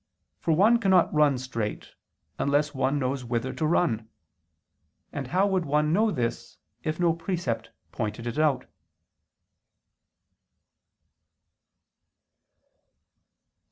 For one cannot run straight unless one knows whither to run. And how would one know this if no precept pointed it out."